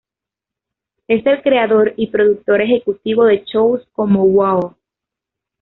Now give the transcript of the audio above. Es el creador y productor ejecutivo de shows como "Wow!